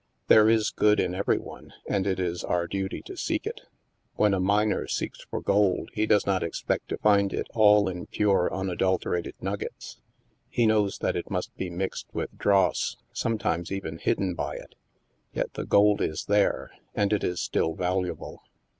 There is good in every one, and it is our duty to seek it. When a miner seeks for gold, he does not expect to find it all in pure un adulterated nuggets. He knows that it must be mixed with dross — sometimes even hidden by it. Yet the gold is there, and it is still valuable."